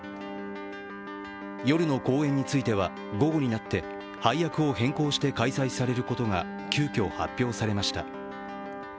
夜の公演については午後になって配役を変更して開催されることが急きょ発表されました。